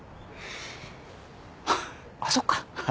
あっそっか。